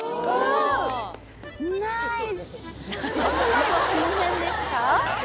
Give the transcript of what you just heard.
お住まいはこの辺ですか？